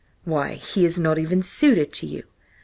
Why, he is not even suited to you!